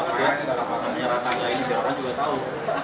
jadi sebetulnya rantangga ini diorang orang juga tahu